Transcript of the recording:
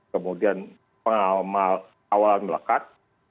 kemudian pengalaman awal melekat